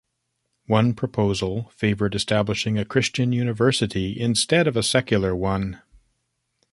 One proposal favoured establishing a Christian university instead of a secular one.